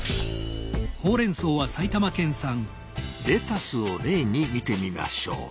レタスを例に見てみましょう。